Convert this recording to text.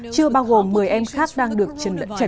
chưa bao gồm một mươi em khác đang được chẩn bị